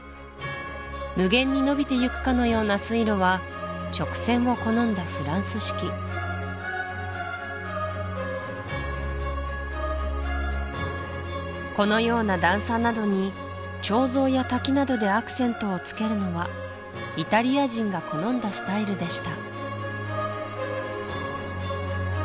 無限に延びていくかのような水路は直線を好んだフランス式このような段差などに彫像や滝などでアクセントをつけるのはイタリア人が好んだスタイルでした